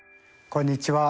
こんにちは。